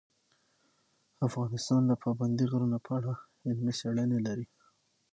افغانستان د پابندی غرونه په اړه علمي څېړنې لري.